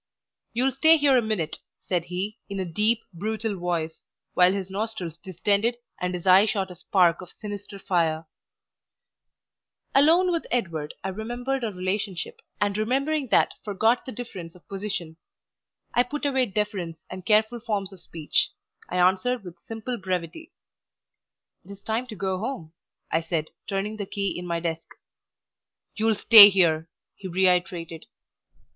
"You'll stay here a minute," said he, in a deep, brutal voice, while his nostrils distended and his eye shot a spark of sinister fire. Alone with Edward I remembered our relationship, and remembering that forgot the difference of position; I put away deference and careful forms of speech; I answered with simple brevity. "It is time to go home," I said, turning the key in my desk. "You'll stay here!" he reiterated.